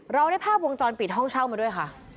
เราได้ภาพวงจรปิดห้องเช่ามาด้วยค่ะ